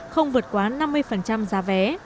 không vượt quá năm mươi giá vé